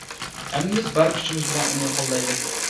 ھەممىمىز بار كۈچىمىز بىلەن ئۇنى قوللايلى.